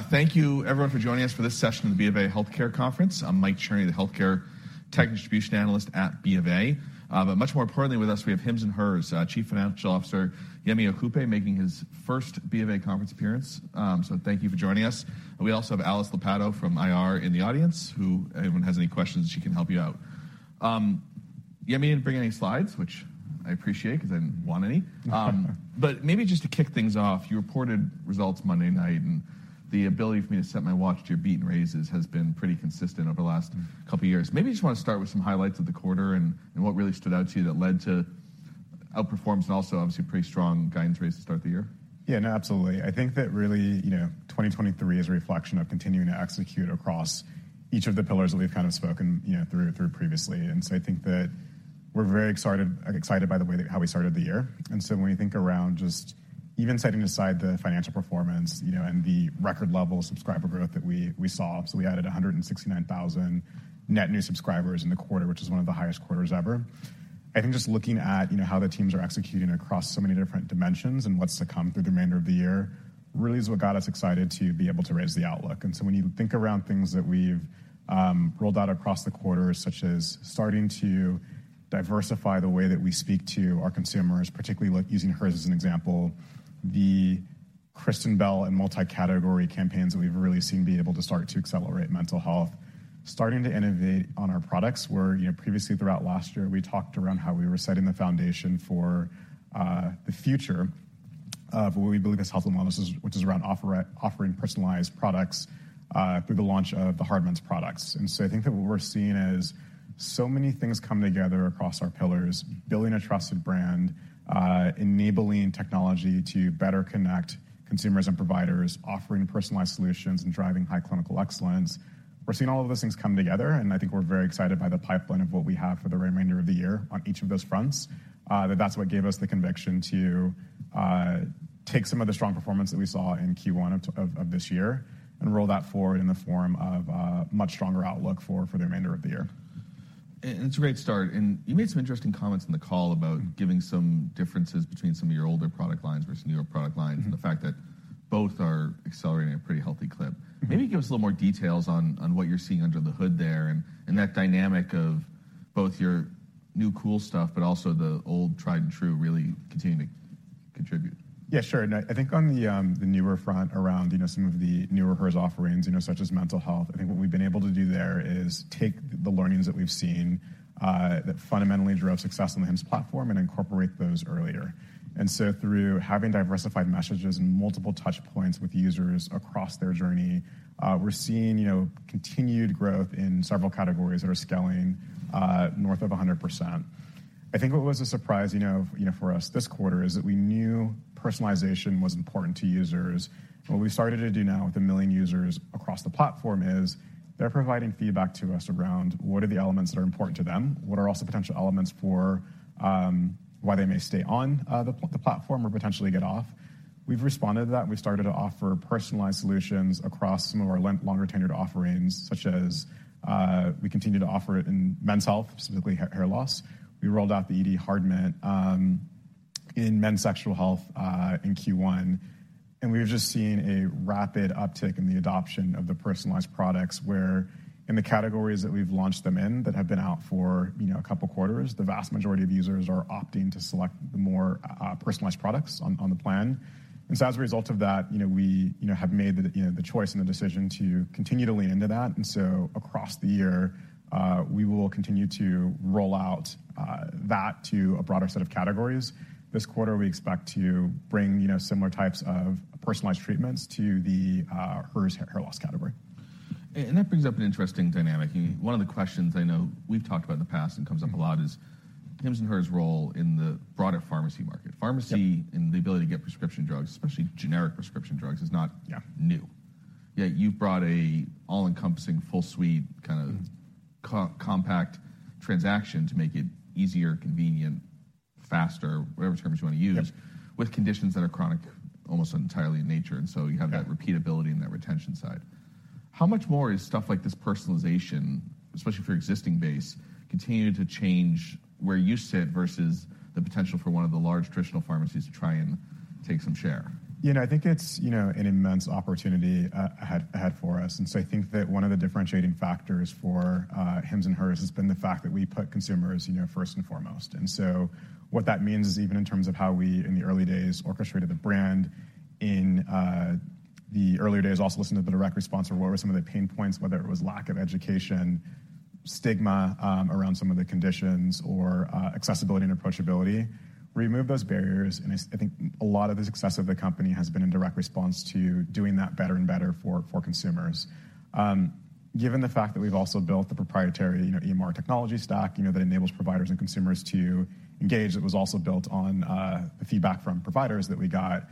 Thank you everyone for joining us for this session of the BofA Healthcare Conference. I'm Michael Cherny, the healthcare tech distribution analyst at BofA. Much more importantly, with us we have Hims & Hers Chief Financial Officer, Yemi Okupe, making his first BofA conference appearance. Thank you for joining us. We also have Alice Lopatto from IR in the audience, who if anyone has any questions, she can help you out. Yemi didn't bring any slides, which I appreciate 'cause I didn't want any. Maybe just to kick things off, you reported results Monday night, and the ability for me to set my watch to your beat and raises has been pretty consistent over the last couple years. Maybe you just wanna start with some highlights of the quarter and what really stood out to you that led to out-performance and also obviously pretty strong guidance rates to start the year. Yeah, no, absolutely. I think that really, you know, 2023 is a reflection of continuing to execute across each of the pillars that we've kind of spoken, you know, through previously. I think that we're very excited by the way that how we started the year. When you think around just even setting aside the financial performance, you know, and the record level subscriber growth that we saw, so we added 169,000 net new subscribers in the quarter, which is one of the highest quarters ever. I think just looking at, you know, how the teams are executing across so many different dimensions and what's to come through the remainder of the year, really is what got us excited to be able to raise the outlook. When you think around things that we've rolled out across the quarter, such as starting to diversify the way that we speak to our consumers, particularly like using Hers as an example, the Kristen Bell and multi-category campaigns that we've really seen be able to start to accelerate mental health, starting to innovate on our products, where, you know, previously throughout last year, we talked around how we were setting the foundation for the future of what we believe is health and wellness, which is around offering personalized products through the launch of the Hard Mints. I think that what we're seeing is so many things come together across our pillars, building a trusted brand, enabling technology to better connect consumers and providers, offering personalized solutions, and driving high clinical excellence. We're seeing all of those things come together. I think we're very excited by the pipeline of what we have for the remainder of the year on each of those fronts. That's what gave us the conviction to take some of the strong performance that we saw in Q1 of this year and roll that forward in the form of a much stronger outlook for the remainder of the year. It's a great start. You made some interesting comments on the call about giving some differences between some of your older product lines versus newer product lines. Mm-hmm. The fact that both are accelerating at a pretty healthy clip. Mm-hmm. Maybe give us a little more details on what you're seeing under the hood there and that dynamic of both your new cool stuff, but also the old tried and true really continuing to contribute. Yeah, sure. I think on the newer front around, you know, some of the newer Hers offerings, you know, such as mental health, I think what we've been able to do there is take the learnings that we've seen, that fundamentally drove success on the Hims platform and incorporate those earlier. Through having diversified messages and multiple touch points with users across their journey, we're seeing, you know, continued growth in several categories that are scaling, north of 100%. I think what was a surprise, you know, for us this quarter is that we knew personalization was important to users. What we've started to do now with 1 million users across the platform is they're providing feedback to us around what are the elements that are important to them, what are also potential elements for why they may stay on the platform or potentially get off. We've responded to that, and we've started to offer personalized solutions across some of our longer tenured offerings, such as we continue to offer it in men's health, specifically hair loss. We rolled out the ED Hard Mints in men's sexual health in Q1. We've just seen a rapid uptick in the adoption of the personalized products, where in the categories that we've launched them in that have been out for, you know, a couple quarters, the vast majority of users are opting to select the more personalized products on the plan. As a result of that, you know, we, you know, have made the, you know, the choice and the decision to continue to lean into that. Across the year, we will continue to roll out that to a broader set of categories. This quarter, we expect to bring, you know, similar types of personalized treatments to the Hers hair loss category. That brings up an interesting dynamic. One of the questions I know we've talked about in the past and comes up a lot is Hims & Hers role in the broader pharmacy market. Yep. Pharmacy the ability to get prescription drugs, especially generic prescription drugs, is not new. Yet you've brought a all-encompassing, full suite, kinda-compact transaction to make it easier, convenient, faster, whatever terms you wanna use with conditions that are chronic almost entirely in nature. You have that repeatability and that retention side? How much more is stuff like this personalization, especially for your existing base, continue to change where you sit versus the potential for one of the large traditional pharmacies to try and take some share? You know, I think it's, you know, an immense opportunity ahead for us. I think that one of the differentiating factors for Hims & Hers has been the fact that we put consumers, you know, first and foremost. What that means is even in terms of how we, in the early days, orchestrated the brand in the earlier days, also listening to the direct response of what were some of the pain points, whether it was lack of education, stigma, around some of the conditions or accessibility and approachability, remove those barriers. I think a lot of the success of the company has been in direct response to doing that better and better for consumers. Given the fact that we've also built the proprietary, you know, EMR technology stack, you know, that enables providers and consumers to engage, that was also built on the feedback from providers that we got.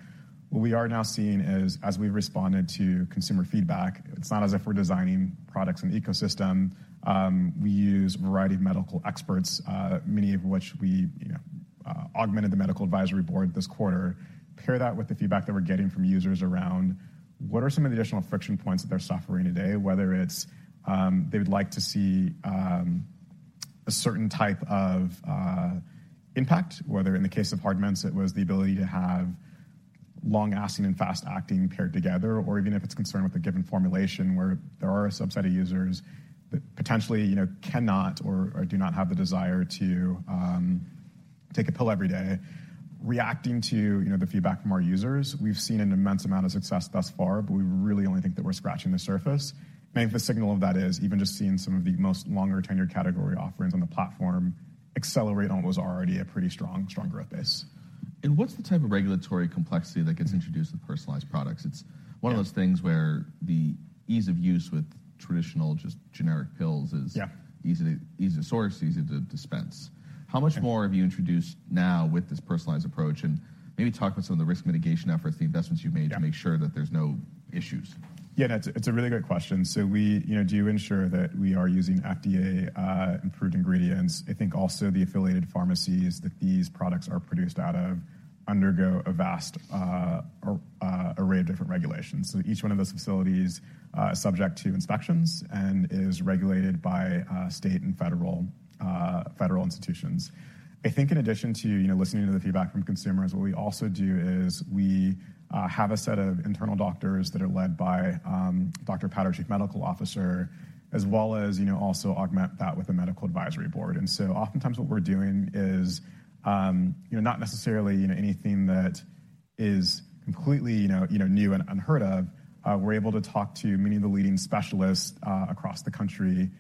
What we are now seeing is, as we've responded to consumer feedback, it's not as if we're designing products in ecosystem. We use a variety of medical experts, many of which we, you know, augmented the medical advisory board this quarter. Pair that with the feedback that we're getting from users around what are some of the additional friction points that they're suffering today, whether it's, they would like to see A certain type of impact, whether in the case of Hard Mints, it was the ability to have long-acting and fast-acting paired together, or even if it's concerned with a given formulation where there are a subset of users that potentially, you know, cannot or do not have the desire to take a pill every day. Reacting to, you know, the feedback from our users, we've seen an immense amount of success thus far, but we really only think that we're scratching the surface. Maybe the signal of that is even just seeing some of the most longer tenured category offerings on the platform accelerate on what was already a pretty strong growth base. What's the type of regulatory complexity that gets introduced with personalized products? It's one of those things where the ease of use with traditional just generic pills is easy to, easy to source, easy to dispense. How much more have you introduced now with this personalized approach? Maybe talk about some of the risk mitigation efforts, the investments you've made- Yeah. to make sure that there's no issues? Yeah. It's a really great question. We, you know, do ensure that we are using FDA-approved ingredients. I think also the affiliated pharmacies that these products are produced out of undergo a vast array of different regulations. Each one of those facilities is subject to inspections and is regulated by state and federal institutions. I think in addition to, you know, listening to the feedback from consumers, what we also do is we have a set of internal doctors that are led by Dr. Patrick Carroll, Chief Medical Officer, as well as, you know, also augment that with a medical advisory board. Oftentimes what we're doing is, you know, not necessarily, you know, anything that is completely new and unheard of. We're able to talk to many of the leading specialists across the country,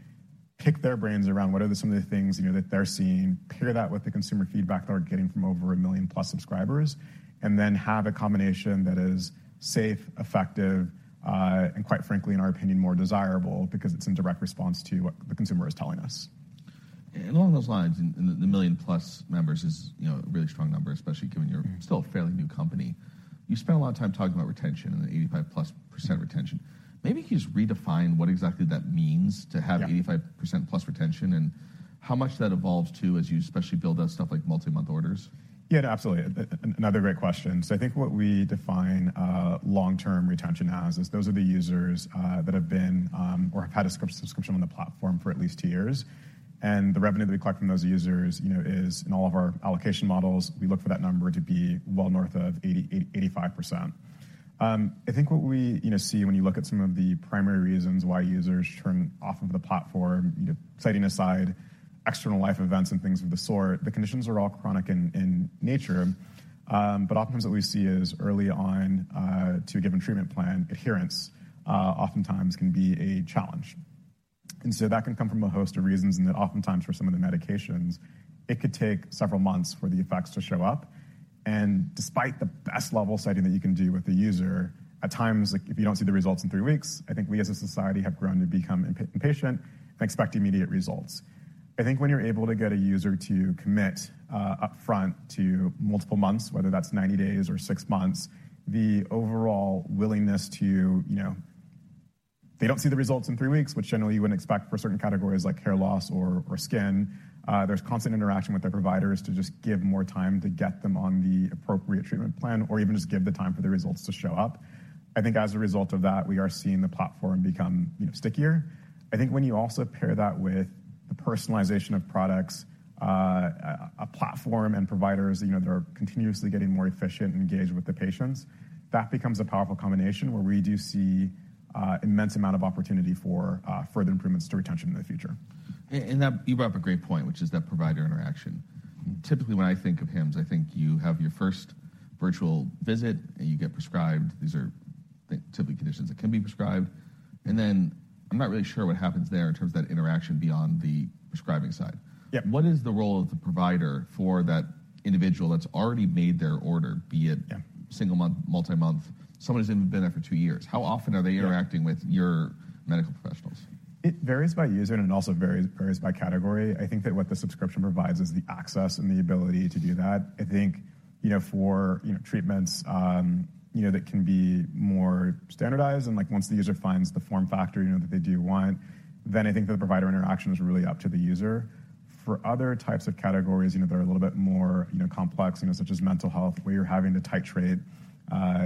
pick their brains around what are some of the things, you know, that they're seeing, pair that with the consumer feedback that we're getting from over 1 million plus subscribers, and then have a combination that is safe, effective, and quite frankly, in our opinion, more desirable because it's in direct response to what the consumer is telling us. Along those lines, and the 1 million+ members is, you know, a really strong number, especially given you're still a fairly new company. You spent a lot of time talking about retention and the 85%+ retention. Maybe can you just redefine what exactly that means to have 85% plus retention and how much that evolves too, as you especially build out stuff like multi-month orders? Yeah, absolutely. Another great question. I think what we define long-term retention as is those are the users that have been or have had a sub-subscription on the platform for at least two years. The revenue that we collect from those users, you know, is in all of our allocation models. We look for that number to be well north of 80%-85%. I think what we, you know, see when you look at some of the primary reasons why users churn off of the platform, you know, setting aside external life events and things of the sort, the conditions are all chronic in nature. Oftentimes what we see is early on to a given treatment plan, adherence, oftentimes can be a challenge. That can come from a host of reasons and that oftentimes for some of the medications, it could take several months for the effects to show up. Despite the best level setting that you can do with the user, at times, like if you don't see the results in three weeks, I think we as a society have grown to become impatient and expect immediate results. I think when you're able to get a user to commit up front to multiple months, whether that's 90 days or six months, the overall willingness to, you know. They don't see the results in three weeks, which generally you wouldn't expect for certain categories like hair loss or skin. There's constant interaction with their providers to just give more time to get them on the appropriate treatment plan or even just give the time for the results to show up. I think as a result of that, we are seeing the platform become, you know, stickier. I think when you also pair that with the personalization of products, a platform and providers, you know, that are continuously getting more efficient and engaged with the patients, that becomes a powerful combination where we do see immense amount of opportunity for further improvements to retention in the future. You brought up a great point, which is that provider interaction. Typically, when I think of Hims, I think you have your first virtual visit, and you get prescribed. These are, I think, typically conditions that can be prescribed. Then I'm not really sure what happens there in terms of that interaction beyond the prescribing side. Yeah. What is the role of the provider for that individual that's already made their order, be it single month, multi-month, someone who's even been there for two years? How often are they interacting with your medical professionals? It varies by user and it also varies by category. I think that what the subscription provides is the access and the ability to do that. I think, you know, for, you know, treatments, you know, that can be more standardized, and like, once the user finds the form factor, you know, that they do want, then I think the provider interaction is really up to the user. For other types of categories, you know, that are a little bit more, you know, complex, you know, such as mental health, where you're having to titrate,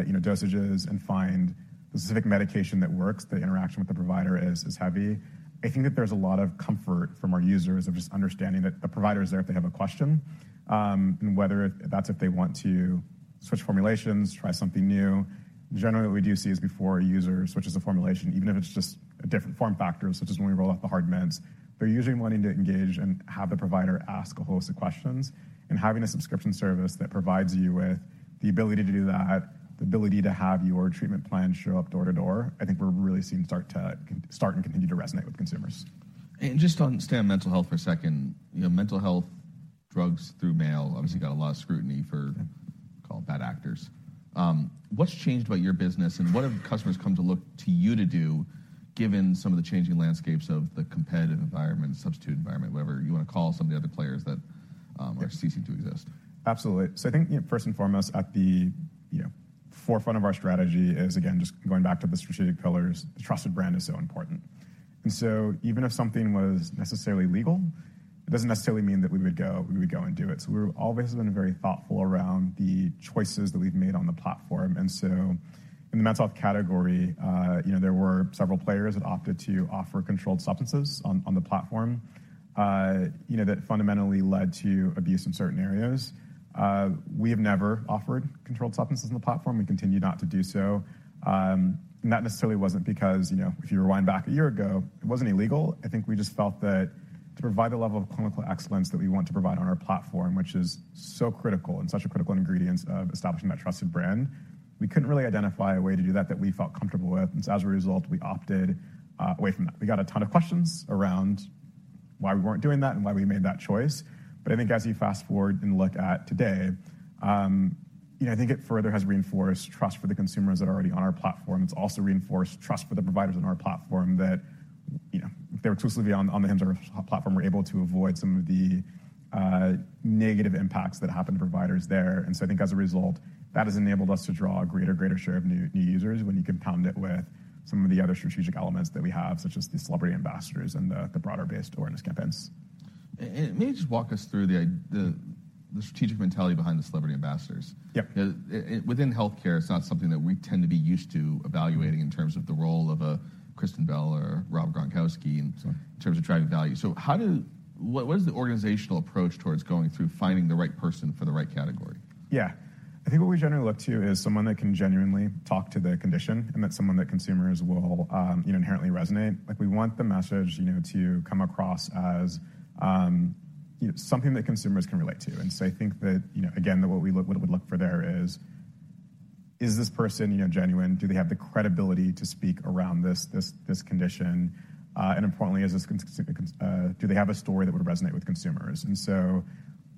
you know, dosages and find the specific medication that works, the interaction with the provider is heavy. I think that there's a lot of comfort from our users of just understanding that the provider is there if they have a question, and whether that's if they want to switch formulations, try something new. Generally, what we do see is before a user switches a formulation, even if it's just a different form factor, such as when we roll out the Hard Mints, they're usually wanting to engage and have the provider ask a host of questions. Having a subscription service that provides you with the ability to do that, the ability to have your treatment plan show up door to door, I think we're really seeing start and continue to resonate with consumers. Just on, stay on mental health for a second. You know, mental health drugs through mail obviously got a lot of scrutiny for called bad actors. What's changed about your business, and what have customers come to look to you to do given some of the changing landscapes of the competitive environment, substitute environment, whatever you wanna call some of the other players that are ceasing to exist? Absolutely. I think, you know, first and foremost, at the forefront of our strategy is again, just going back to the strategic pillars, the trusted brand is so important. Even if something was necessarily legal, it doesn't necessarily mean that we would go and do it. We've always been very thoughtful around the choices that we've made on the platform. In the men's health category, you know, there were several players that opted to offer controlled substances on the platform, you know, that fundamentally led to abuse in certain areas. We have never offered controlled substances on the platform. We continue not to do so. That necessarily wasn't because, you know, if you rewind back a year ago, it wasn't illegal. I think we just felt that to provide the level of clinical excellence that we want to provide on our platform, which is so critical and such a critical ingredient of establishing that trusted brand, we couldn't really identify a way to do that we felt comfortable with. As a result, we opted away from that. We got a ton of questions around why we weren't doing that and why we made that choice. I think as you fast-forward and look at today, you know, I think it further has reinforced trust for the consumers that are already on our platform. It's also reinforced trust for the providers on our platform that, you know, if they were to slip on the Hims platform, we're able to avoid some of the negative impacts that happen to providers there. I think as a result, that has enabled us to draw a greater share of new users when you compound it with some of the other strategic elements that we have, such as the celebrity ambassadors and the broader-based awareness campaigns. May you just walk us through the strategic mentality behind the celebrity ambassadors? Yep. Within healthcare, it's not something that we tend to be used to evaluating in terms of the role of a Kristen Bell or Rob Gronkowski. Sure. In terms of driving value. What is the organizational approach towards going through finding the right person for the right category? Yeah. I think what we generally look to is someone that can genuinely talk to the condition and that's someone that consumers will, you know, inherently resonate. Like, we want the message, you know, to come across as, you know, something that consumers can relate to. I think that, you know, again, that what we look for there is this person, you know, genuine? Do they have the credibility to speak around this condition? Importantly, do they have a story that would resonate with consumers?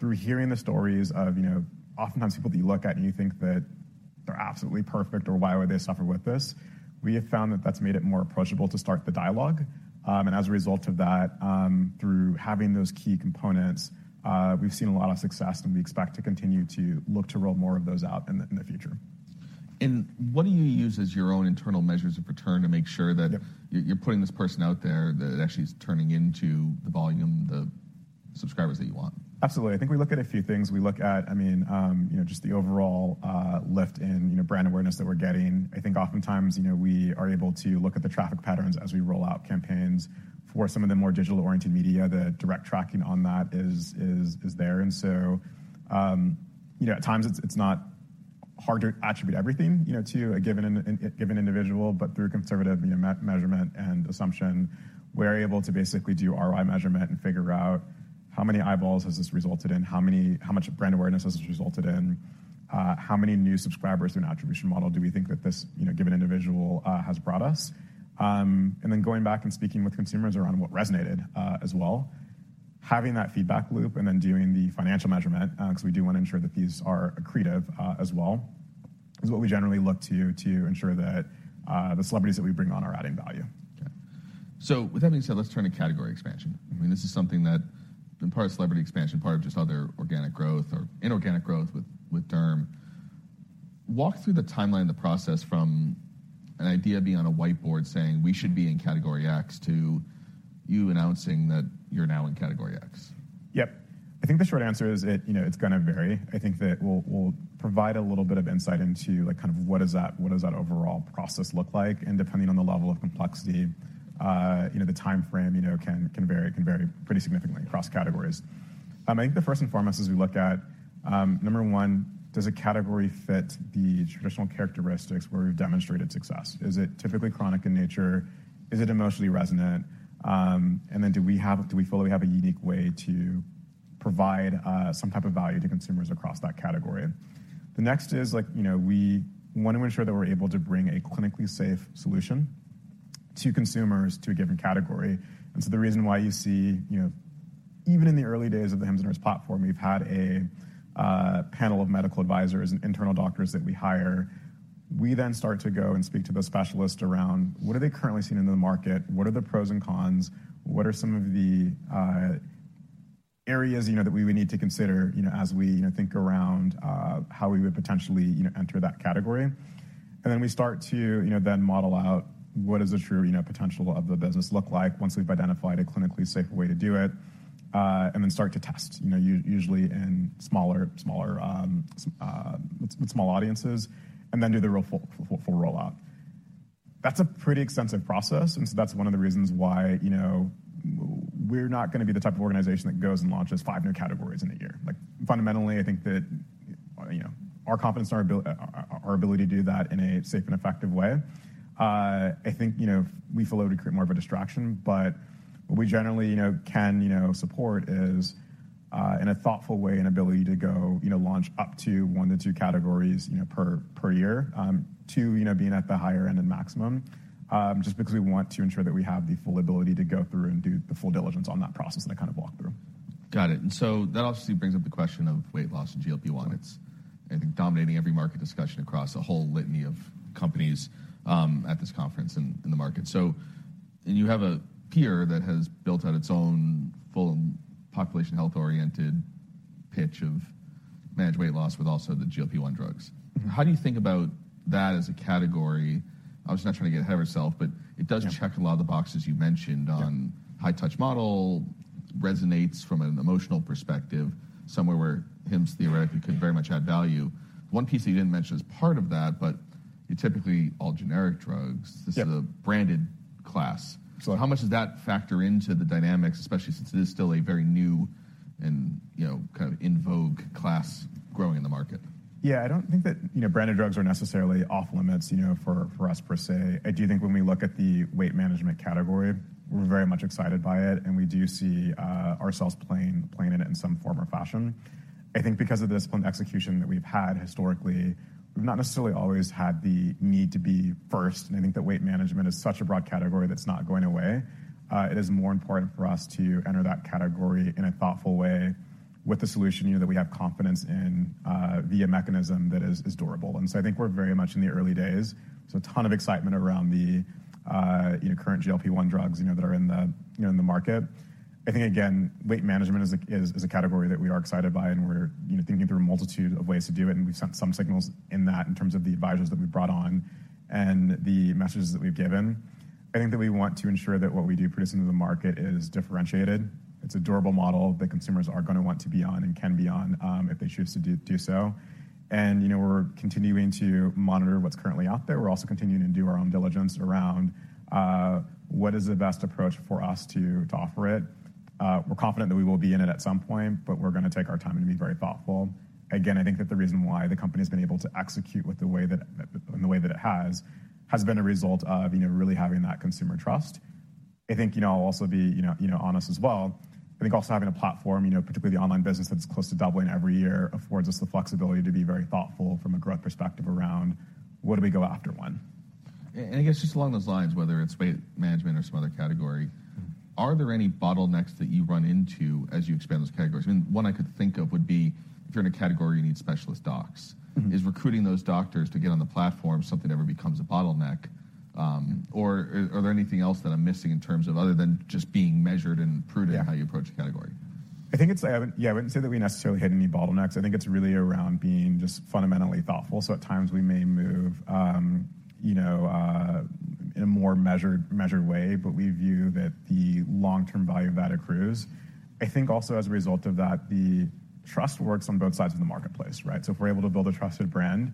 Through hearing the stories of, you know, oftentimes people that you look at and you think that they're absolutely perfect or why would they suffer with this, we have found that that's made it more approachable to start the dialogue. As a result of that, through having those key components, we've seen a lot of success, and we expect to continue to look to roll more of those out in the future. What do you use as your own internal measures of return to make sure that. Yep. You're putting this person out there that actually is turning into the volume, the subscribers that you want? Absolutely. I think we look at a few things. We look at, I mean, you know, just the overall lift in, you know, brand awareness that we're getting. I think oftentimes, you know, we are able to look at the traffic patterns as we roll out campaigns. For some of the more digital-oriented media, the direct tracking on that is there. You know, at times it's not hard to attribute everything, you know, to a given individual, but through conservative measurement and assumption, we're able to basically do ROI measurement and figure out how many eyeballs has this resulted in, how much brand awareness has this resulted in, how many new subscribers in attribution model do we think that this, you know, given individual has brought us. Going back and speaking with consumers around what resonated as well. Having that feedback loop and then doing the financial measurement, 'cause we do wanna ensure that these are accretive as well, is what we generally look to ensure that the celebrities that we bring on are adding value. Okay. With that being said, let's turn to category expansion. I mean, this is something that in part celebrity expansion, part of just other organic growth or inorganic growth with Apostrophe. Walk through the timeline and the process from an idea being on a whiteboard saying, we should be in category X, to you announcing that you're now in category X. Yep. I think the short answer is it, you know, it's gonna vary. I think that we'll provide a little bit of insight into like kind of what does that, what does that overall process look like. Depending on the level of complexity, you know, the time-frame, you know, can vary pretty significantly across categories. I think the first and foremost is we look at number one, does a category fit the traditional characteristics where we've demonstrated success? Is it typically chronic in nature? Is it emotionally resonant? Then do we feel that we have a unique way to provide some type of value to consumers across that category? The next is like, you know, we wanna ensure that we're able to bring a clinically safe solution to consumers to a given category. The reason why you see, you know, even in the early days of the Hims & Hers platform, we've had a panel of medical advisors and internal doctors that we hire. We then start to go and speak to the specialists around what are they currently seeing in the market? What are the pros and cons? What are some of the areas, you know, that we would need to consider, you know, as we, you know, think around, how we would potentially, you know, enter that category? Then we start to, you know, then model out what is the true, you know, potential of the business look like once we've identified a clinically safe way to do it, and then start to test, you know, usually in smaller, small audiences, and then do the real full rollout. That's a pretty extensive process, that's one of the reasons why, you know, we're not gonna be the type of organization that goes and launches five new categories in a year. Like, fundamentally, I think that, you know, our confidence and our ability to do that in a safe and effective way, I think, you know, we feel it would create more of a distraction. What we generally, you know, can, you know, support is, in a thoughtful way and ability to go, you know, launch up to one to two categories, you know, per year, to, you know, being at the higher end and maximum, just because we want to ensure that we have the full ability to go through and do the full diligence on that process that I kind of walked through. Got it. That obviously brings up the question of weight loss and GLP-1. It's, I think, dominating every market discussion across a whole litany of companies, at this conference in the market. You have a peer that has built out its own full population health-oriented pitch of managed weight loss with also the GLP-1 drugs. Mm-hmm. How do you think about that as a category? I was not trying to get ahead of myself, but it. check a lot of the boxes you mentioned on high touch model resonates from an emotional perspective, somewhere where hims theoretically could very much add value. One piece that you didn't mention is part of that, but you're typically all generic drugs. Yeah. This is a branded class. Absolutely. How much does that factor into the dynamics, especially since it is still a very new and, you know, kind of in vogue class growing in the market? Yeah, I don't think that, you know, branded drugs are necessarily off limits, you know, for us per se. I do think when we look at the weight management category, we're very much excited by it, and we do see ourselves playing in it in some form or fashion. I think because of the discipline execution that we've had historically, we've not necessarily always had the need to be first. I think that weight management is such a broad category that's not going away. It is more important for us to enter that category in a thoughtful way with a solution, you know, that we have confidence in, via a mechanism that is durable. I think we're very much in the early days. There's a ton of excitement around the, you know, current GLP-1 drugs, you know, that are in the, you know, in the market. I think again, weight management is a category that we are excited by, and we're, you know, thinking through a multitude of ways to do it, and we've sent some signals in that in terms of the advisors that we've brought on and the messages that we've given. I think that we want to ensure that what we do produce into the market is differentiated. It's a durable model that consumers are gonna want to be on and can be on if they choose to do so. We're continuing to monitor what's currently out there. We're also continuing to do our own diligence around what is the best approach for us to offer it. We're confident that we will be in it at some point, but we're gonna take our time and be very thoughtful. I think that the reason why the company's been able to execute with the way that, in the way that it has been a result of, you know, really having that consumer trust. I think, you know, I'll also be, you know, honest as well, I think also having a platform, you know, particularly the online business that's close to doubling every year, affords us the flexibility to be very thoughtful from a growth perspective around what do we go after one. I guess just along those lines, whether it's weight management or some other category- are there any bottlenecks that you run into as you expand those categories? I mean, one I could think of would be if you're in a category, you need specialist docs. Mm-hmm. Is recruiting those doctors to get on the platform something that ever becomes a bottleneck? Or is there anything else that I'm missing in terms of other than just being measured and how you approach the category? I think it's, Yeah, I wouldn't say that we necessarily hit any bottlenecks. I think it's really around being just fundamentally thoughtful. At times we may move, you know, in a more measured way, but we view that the long-term value of that accrues. I think also as a result of that, the trust works on both sides of the marketplace, right? If we're able to build a trusted brand,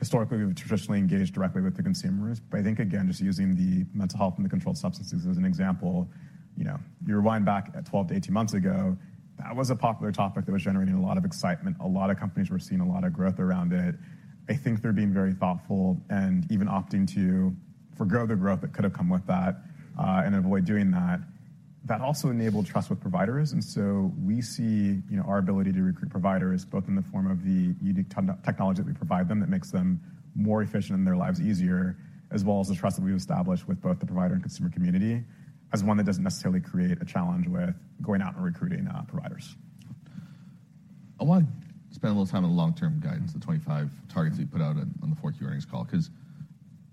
historically, we've traditionally engaged directly with the consumers. I think again, just using the mental health and the controlled substances as an example, you know, you rewind back at 12-18 months ago, that was a popular topic that was generating a lot of excitement. A lot of companies were seeing a lot of growth around it. I think they're being very thoughtful and even opting to forgo the growth that could have come with that, and avoid doing that. That also enabled trust with providers. We see, you know, our ability to recruit providers both in the form of the unique tech-technology that we provide them that makes them more efficient and their lives easier, as well as the trust that we've established with both the provider and consumer community, as one that doesn't necessarily create a challenge with going out and recruiting, providers. I wanna spend a little time on the long-term guidance, the 2025 targets that you put out on the fourth year earnings call,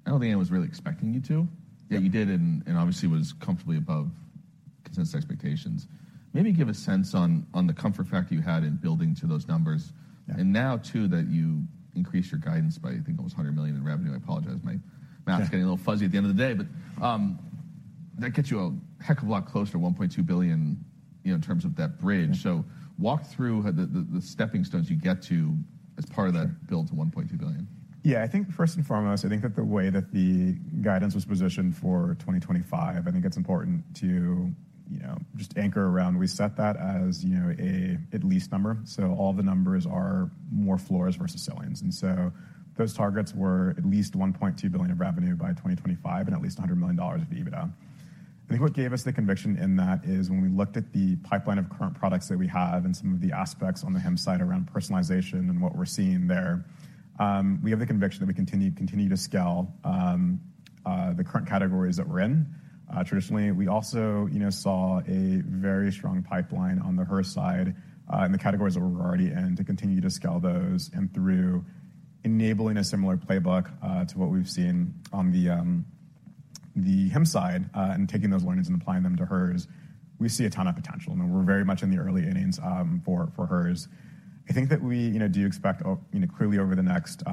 'cause I don't think anyone was really expecting you to. Yeah. you did, and obviously was comfortably above consensus expectations. Maybe give a sense on the comfort factor you had in building to those numbers. Now too, that you increased your guidance by, I think it was $100 million in revenue. I apologize- Yeah ...is getting a little fuzzy at the end of the day. That gets you a heck of a lot closer to $1.2 billion, you know, in terms of that bridge walk through the stepping stones you get to as part of that build to $1.2 billion. Yeah. I think first and foremost, I think that the way that the guidance was positioned for 2025, I think it's important to, you know, just anchor around. We set that as, you know, at least number. All the numbers are more floors versus ceilings. Those targets were at least $1.2 billion of revenue by 2025 and at least $100 million of EBITDA. I think what gave us the conviction in that is when we looked at the pipeline of current products that we have and some of the aspects on the Hims side around personalization and what we're seeing there, we have the conviction that we continue to scale the current categories that we're in. Traditionally, we also, you know, saw a very strong pipeline on the Hers side, and the categories that we're already in to continue to scale those and through enabling a similar playbook, to what we've seen on the Hims side, and taking those learnings and applying them to Hers. We see a ton of potential, and we're very much in the early innings, for Hers. I think that we, you know, do expect, you know, clearly over the next,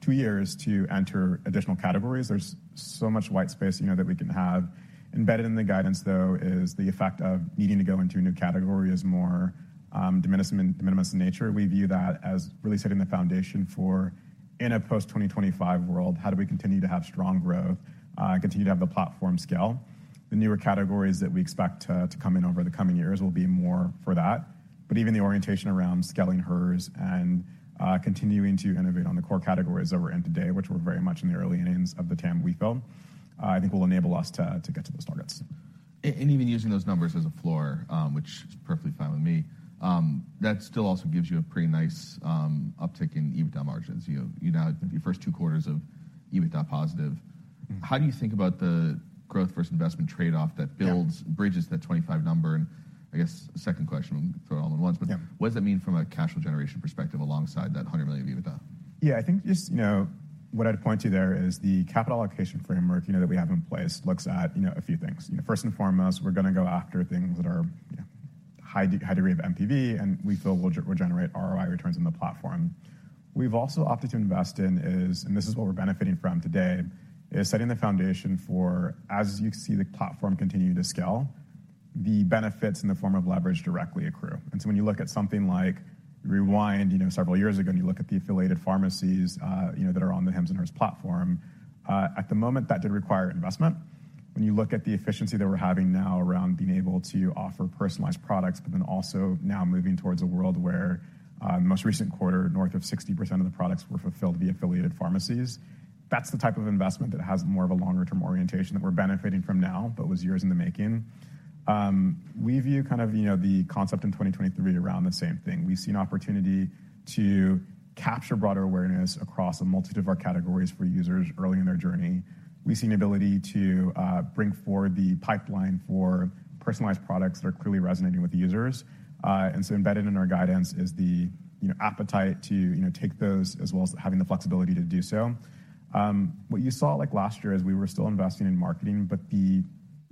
two years to enter additional categories. There's so much white space, you know, that we can have. Embedded in the guidance, though, is the effect of needing to go into a new category as more de minimis in nature. We view that as really setting the foundation for in a post-2025 world, how do we continue to have strong growth, continue to have the platform scale. The newer categories that we expect to come in over the coming years will be more for that. Even the orientation around scaling Hers and continuing to innovate on the core categories that we're in today, which we're very much in the early innings of the TAM we feel, I think will enable us to get to those targets. Even using those numbers as a floor, which is perfectly fine with me, that still also gives you a pretty nice uptick in EBITDA margins. You know, you now have your first two quarters of EBITDA positive. Mm-hmm. How do you think about the growth versus investment trade-off that builds bridges that 25 number? I guess second question, throw it all in once. Yeah. What does that mean from a cash flow generation perspective alongside that $100 million of EBITDA? I think just, you know, what I'd point to there is the capital allocation framework, you know, that we have in place looks at, you know, a few things. You know, first and foremost, we're gonna go after things that are high degree of MVP, and we feel will generate ROI returns on the platform. We've also opted to invest in is, and this is what we're benefiting from today, is setting the foundation for as you see the platform continuing to scale, the benefits in the form of leverage directly accrue. When you look at something like rewind, you know, several years ago, and you look at the affiliated pharmacies, you know, that are on the Hims & Hers platform at the moment, that did require investment. When you look at the efficiency that we're having now around being able to offer personalized products, but then also now moving towards a world where, in the most recent quarter, north of 60% of the products were fulfilled via affiliated pharmacies, that's the type of investment that has more of a longer-term orientation that we're benefiting from now but was years in the making. We view, you know, the concept in 2023 around the same thing. We see an opportunity to capture broader awareness across a multitude of our categories for users early in their journey. We see an ability to bring forward the pipeline for personalized products that are clearly resonating with the users. Embedded in our guidance is the, you know, appetite to, you know, take those as well as having the flexibility to do so. What you saw like last year is we were still investing in marketing, but the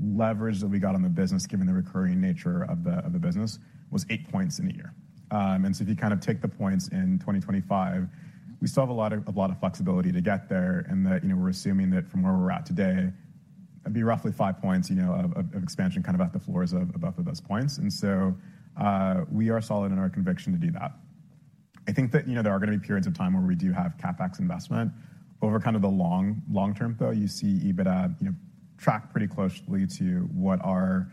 leverage that we got on the business, given the recurring nature of the business, was eight points in the year. If you kind of take the points in 2025, we still have a lot of flexibility to get there and that, you know, we're assuming that from where we're at today, it'd be roughly five points, you know, of expansion kind of at the floors of those points. We are solid in our conviction to do that. I think that, you know, there are gonna be periods of time where we do have CapEx investment. Over kind of the long, long term, though, you see EBITDA, you know, track pretty closely to what our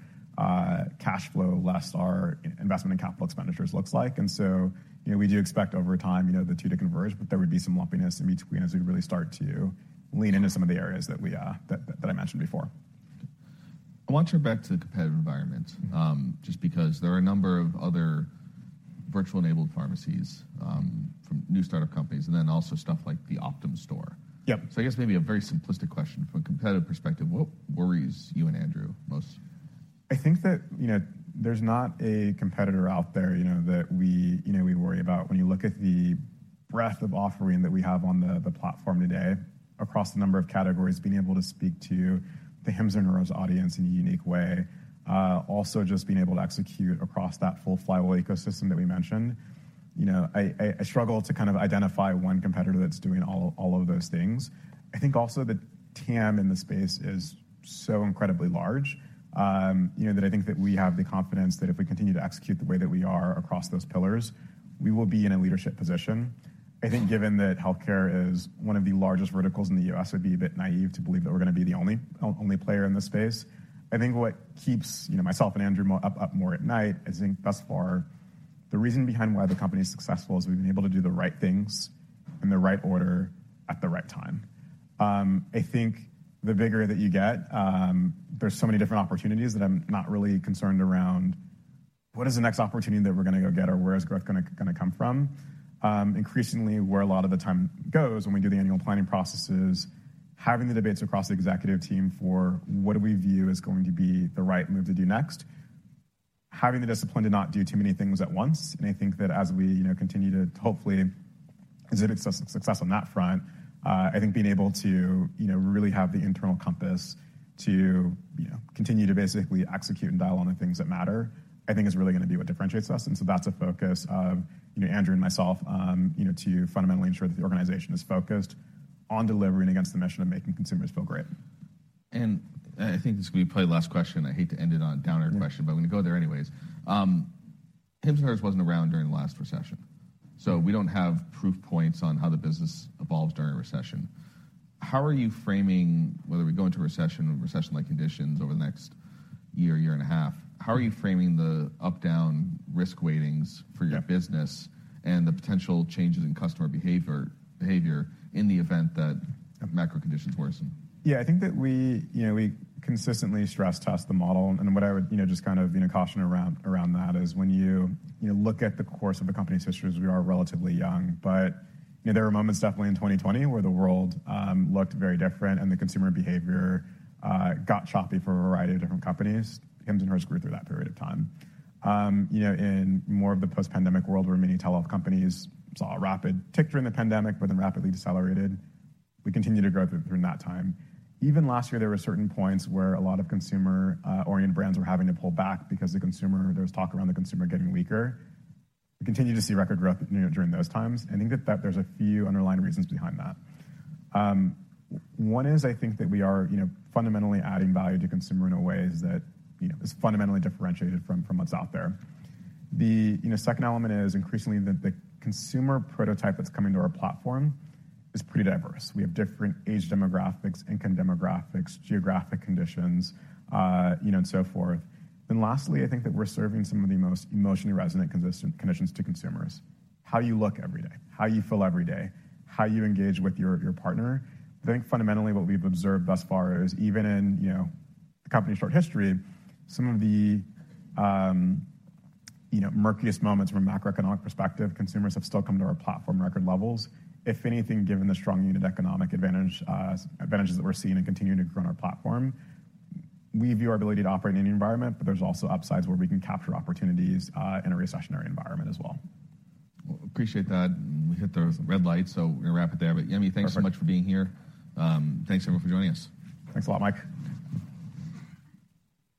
cash flow less our investment in capital expenditures looks like. You know, we do expect over time, you know, the two to converge, but there would be some lumpiness in between as we really start to lean into some of the areas that we that I mentioned before. I want to turn back to the competitive environment, just because there are a number of other virtual-enabled pharmacies, from new startup companies and then also stuff like the Optum Store. Yep. I guess maybe a very simplistic question from a competitive perspective, what worries you and Andrew most? I think that, you know, there's not a competitor out there, you know, that we, you know, we worry about. When you look at the breadth of offering that we have on the platform today across the number of categories, being able to speak to the Hims & Hers audience in a unique way, also just being able to execute across that full flywheel ecosystem that we mentioned. You know, I struggle to kind of identify one competitor that's doing all of those things. I think also the TAM in the space is so incredibly large, you know, that I think that we have the confidence that if we continue to execute the way that we are across those pillars, we will be in a leadership position. I think given that healthcare is one of the largest verticals in the U.S., it would be a bit naive to believe that we're gonna be the only player in this space. I think what keeps, you know, myself and Andrew more at night is I think thus far the reason behind why the company's successful is we've been able to do the right things in the right order at the right time. I think the vigor that you get, there's so many different opportunities that I'm not really concerned around what is the next opportunity that we're gonna go get or where is growth gonna come from. Increasingly, where a lot of the time goes when we do the annual planning processes, having the debates across the executive team for what do we view is going to be the right move to do next, having the discipline to not do too many things at once. I think that as we, you know, continue to hopefully exhibit success on that front, I think being able to, you know, really have the internal compass to, you know, continue to basically execute and dial on the things that matter, I think is really gonna be what differentiates us. That's a focus of, you know, Andrew and myself, you know, to fundamentally ensure that the organization is focused on delivering against the mission of making consumers feel great. I think this will be probably last question. I hate to end it on a downer question. Yeah. I'm gonna go there anyways. Hims & Hers wasn't around during the last recession, so we don't have proof points on how the business evolves during a recession. How are you framing whether we go into a recession or recession-like conditions over the next year and a half? How are you framing the up-down risk weightings for your business and the potential changes in customer behavior in the event that macro conditions worsen? Yeah. I think that we, you know, we consistently stress test the model, and what I would, you know, just kind of, you know, caution around that is when you know, look at the course of the company's history is we are relatively young. You know, there were moments definitely in 2020 where the world looked very different and the consumer behavior got choppy for a variety of different companies. Hims & Hers grew through that period of time. You know, in more of the post-pandemic world where many telehealth companies saw a rapid tick during the pandemic but then rapidly decelerated, we continued to grow through that time. Even last year, there were certain points where a lot of consumer oriented brands were having to pull back because the consumer, there was talk around the consumer getting weaker. We continued to see record growth, you know, during those times. I think that there's a few underlying reasons behind that. One is I think that we are, you know, fundamentally adding value to consumer in a ways that, you know, is fundamentally differentiated from what's out there. The, you know, second element is increasingly the consumer prototype that's coming to our platform is pretty diverse. We have different age demographics, income demographics, geographic conditions, you know, and so forth. Lastly, I think that we're serving some of the most emotionally resonant consistent conditions to consumers. How you look every day, how you feel every day, how you engage with your partner. I think fundamentally what we've observed thus far is even in, you know, the company's short history, some of the, you know, murkiest moments from a macroeconomic perspective, consumers have still come to our platform record levels. If anything, given the strong unit economic advantage, advantages that we're seeing and continuing to grow on our platform, we view our ability to operate in any environment, but there's also upsides where we can capture opportunities in a recessionary environment as well. Well, appreciate that. We hit those red lights, so we're gonna wrap it there. Yemi, thank you so much for being here. thanks everyone for joining us. Thanks a lot, Mike.